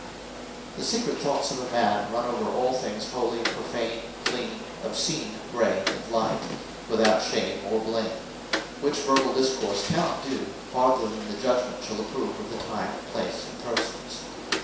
The secret thoughts of a man run over all things, holy, prophane, clean, obscene, grave, and light, without shame, or blame; which verball discourse cannot do, farther than the Judgement shall approve of the Time, Place, and Persons.